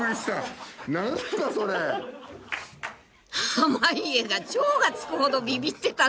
［濱家が超がつくほどビビってたな］